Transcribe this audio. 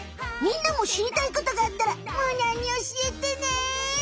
みんなもしりたいことがあったらむーにゃんにおしえてね！